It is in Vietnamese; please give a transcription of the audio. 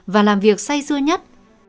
và làm việc say dưa nhất